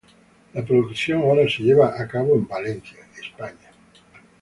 La producción ahora se lleva a cabo en Valencia, España.